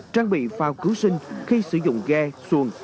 trang bị phao cứu sinh khi sử dụng ghe xuồng